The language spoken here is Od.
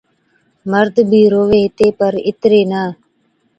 مرد بِي رووَي ھِتي پر اِتري نہ